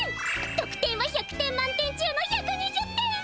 とくてんは１００点満点中の１２０点！